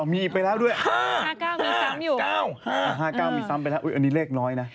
อ๋อมีไปแล้วด้วยห้าเก้ามีซ้ำอยู่ห้าเก้ามีซ้ำไปแล้วอันนี้เลขน้อยนะ